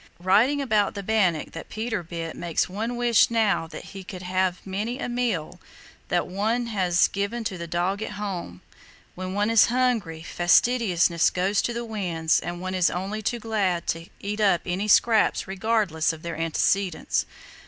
"Writing about the bannock that Peter bit makes one wish now that one could have many a meal that one has given to the dog at home. When one is hungry, fastidiousness goes to the winds and one is only too glad to eat up any scraps regardless of their antecedents.